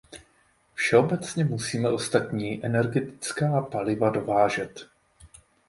Všeobecně musíme ostatní energetická paliva dovážet.